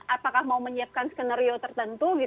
apakah mau menyiapkan skenario tertentu